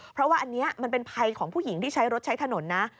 เพราะว่าอันนี้มันเป็นภัยของผู้หญิงที่ใช้รถใช้ถนนนะ